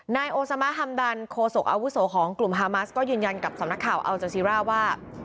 นายโอซามะฮัมดันโคศกอาวุโสของกลุ่มฮามาสก็ยืนยันกับสำนักข่าวอัลจาซีร่าว่า